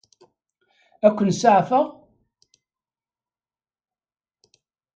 Ad ken-saɛfeɣ?